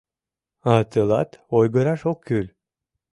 — А тылат ойгыраш ок кӱл.